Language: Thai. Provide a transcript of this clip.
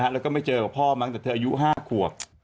แล้วก็ไม่เจอกับพ่อมั้งแต่เธออายุ๕ขวบ